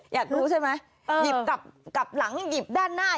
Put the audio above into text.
อยากรู้ใช่ไหมหยิบกลับหลังหยิบด้านหน้า